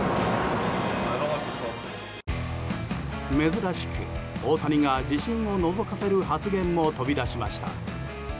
珍しく大谷が自信をのぞかせる発言も飛び出しました。